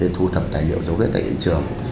thu thập tài liệu dấu vết tại viện trường